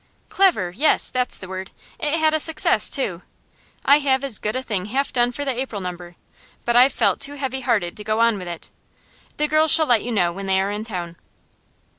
'Clever yes, that's the word. It had a success, too. I have as good a thing half done for the April number, but I've felt too heavy hearted to go on with it. The girls shall let you know when they are in town.